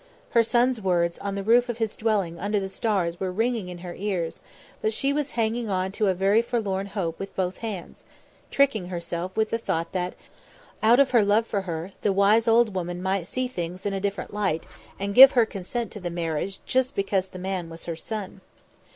Her son's words on the roof of his dwelling under the stars were ringing in her ears; but she was hanging on to a very forlorn hope with both hands, tricking herself with the thought that, out of her love for her, the wise old woman might see things in a different light and give her consent to the marriage just because the man was her son.